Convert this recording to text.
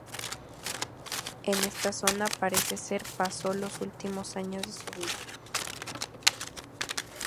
En esta zona, parece ser, pasó los últimos años de su vida.